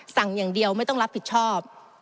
สั่งอย่างเดียวไม่ต้องรับผิดชอบ